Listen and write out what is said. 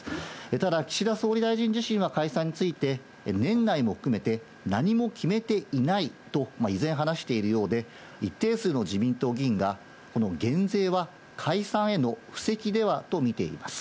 ただ、岸田総理大臣自身は解散について、年内も含めて、何も決めていないと依然話しているようで、一定数の自民党議員が、この減税は解散への布石ではと見ています。